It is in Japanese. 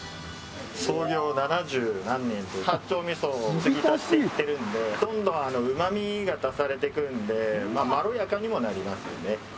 創業７０年の八丁みそを継ぎ足していってるのでどんどんうまみが足されているのでまろやかにもなりますよね。